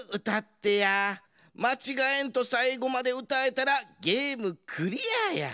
まちがえんとさいごまでうたえたらゲームクリアや。